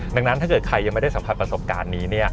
ดังนั้นถ้าเกิดใครยังไม่ได้สัมผัสประสบการณ์นี้